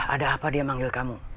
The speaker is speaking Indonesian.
ada apa dia manggil kamu